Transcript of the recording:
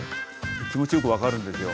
気持ちよく分かるんですよ。